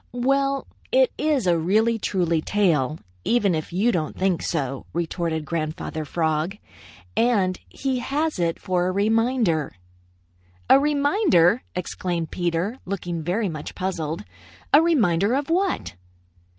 "Well, it is a really truly tail, even if you don't think so," retorted Grandfather Frog, "and he has it for a reminder." "A reminder!" exclaimed Peter, looking very much puzzled. "A reminder of what?"